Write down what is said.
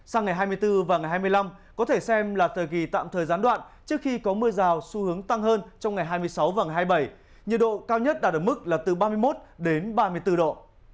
sang ngày hai mươi bốn và ngày hai mươi năm có thể xem là thời kỳ tạm thời gián đoạn trước khi có mưa rào xu hướng tăng hơn trong ngày hai mươi sáu và ngày hai mươi bảy nhiệt độ cao nhất đạt ở mức là từ ba mươi một đến ba mươi bốn độ